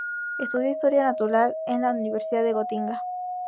Estudió Historia natural en la Universidad de Gotinga.